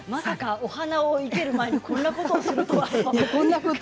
お花を生ける前にまさかこんなことをするとはね。